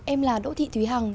em là đỗ thị thúy hằng